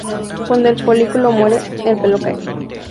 Cuando el folículo muere, el pelo cae.